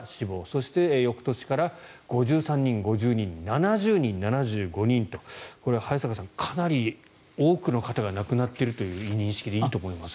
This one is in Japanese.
そして、翌年から５３人、５２人７０人、７５人と早坂さん、かなり多くの方が亡くなっているという認識でいいと思います。